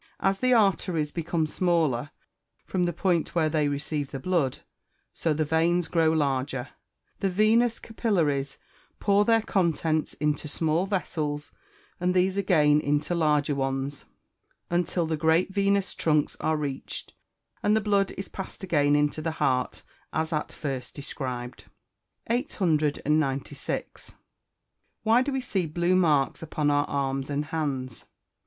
As the arteries become smaller from the point where they receive the blood, so the veins grow larger; the venous capillaries, pour their contents into small vessels, and these again into larger ones, until the great venous trunks are reached, and the blood is passed again into the heart as at first described. (Fig. 50.) 896. _Why do we see blue marks upon our arms and hands?